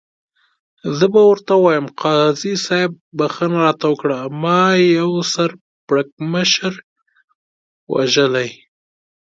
زه به ورته ووایم، قاضي صاحب بخښنه راته وکړه، ما یو سر پړکمشر وژلی.